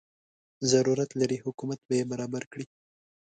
ضرورت لري حکومت به یې برابر کړي.